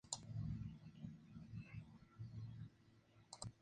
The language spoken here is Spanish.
Se le asignó la Triple-A Pawtucket Red Sox.